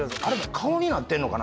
顔になってんのかな？